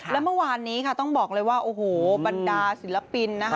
และเมื่อวานนี้ค่ะต้องบอกเลยว่าโอ้โหบรรดาศิลปินนะคะ